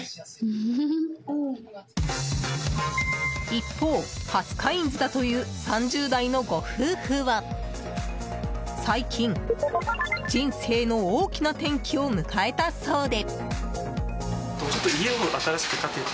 一方、初カインズだという３０代のご夫婦は最近、人生の大きな転機を迎えたそうで。